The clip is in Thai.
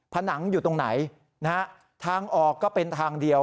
ผนังอยู่ตรงไหนนะฮะทางออกก็เป็นทางเดียว